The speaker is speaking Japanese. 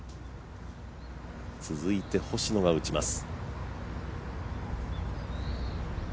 続いて星野が打ちます。